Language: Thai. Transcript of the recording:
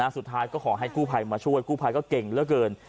สุดท้ายก็ขอให้กู้ภัยมาช่วยกู้ภัยก็เก่งเหลือเกิน